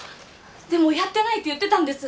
でもやってないって言ってたんです。